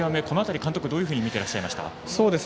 この辺り、監督どういうふうに見てらっしゃいました？